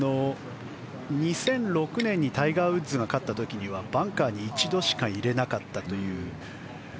２００６年にタイガー・ウッズが勝った時にはバンカーに一度しか入れなかったという。